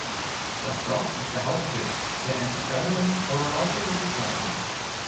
Das Dorf ist der Hauptsitz der Antiquarian Horological Society.